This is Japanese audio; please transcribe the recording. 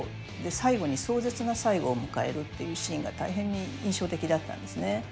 最後に壮絶な最期を迎えるっていうシーンが大変に印象的だったんですね。